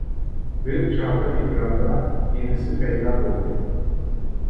بىر چاغدا ئېكراندا ئىنىسى پەيدا بولدى.